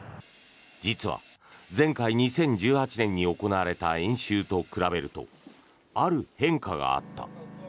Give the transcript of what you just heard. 実は、前回２０１８年に行われた演習と比べるとある変化があった。